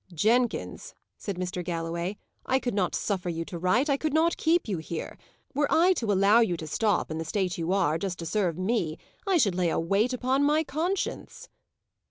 "Jenkins," said Mr. Galloway, "I could not suffer you to write; I could not keep you here. Were I to allow you to stop, in the state you are, just to serve me, I should lay a weight upon my conscience."